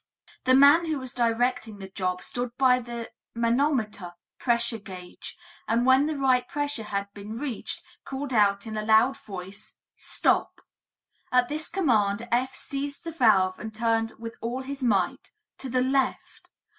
The man who was directing the job stood by the manometer (pressure gauge) and when the right pressure had been reached called out in a loud voice: 'Stop.' At this command F. seized the valve and turned with all his might to the left!